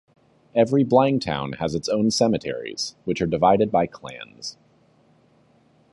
Every Blang town has its own cemeteries, which are divided by clans.